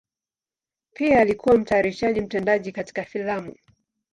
Pia alikuwa mtayarishaji mtendaji katika filamu.